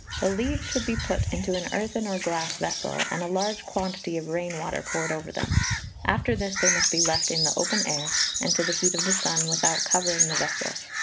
The leaves should be put into an earthen or glass vessel, and a large quantity of rain water poured over them; after this they must be left in the open air, and to the heat of the sun, without covering the vessel.